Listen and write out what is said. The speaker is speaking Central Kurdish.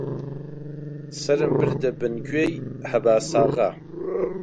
سەرم بردە بن گوێی هەباساغا: